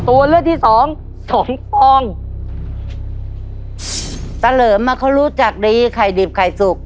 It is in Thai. ตัวเลือกที่สองสมปองตะเหลิมอ่ะเขารู้จักดีไข่ดิบไข่สุก